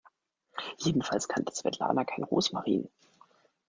Jedenfalls kannte Svetlana keinen Rosmarin.